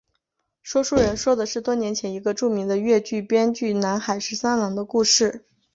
说书人说的是多年前一个著名的粤剧编剧南海十三郎的故事。